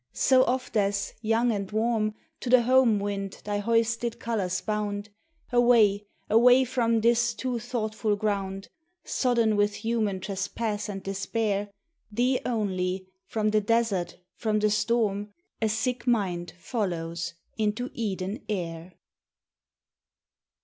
So oft as, young and warm, To the home wind thy hoisted colours bound, Away, away from this too thoughtful ground, Sodden with human trespass and despair, Thee only, from the desert, from the storm, A sick mind follows into Eden air.